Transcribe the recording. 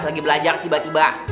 lagi belajar tiba tiba